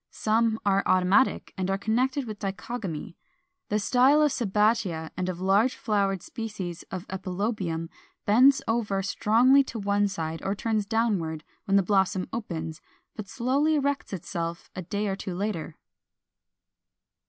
Some are automatic and are connected with dichogamy (339): the style of Sabbatia and of large flowered species of Epilobium bends over strongly to one side or turns downward when the blossom opens, but slowly erects itself a day or two later.